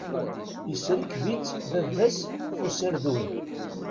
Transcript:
Iserkeb-itt baba-s f userdun.